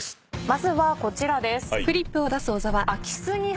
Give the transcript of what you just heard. まずはこちらです。